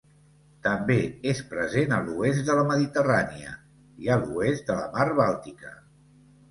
També és present a l'oest de la Mediterrània i a l'oest de la Mar Bàltica.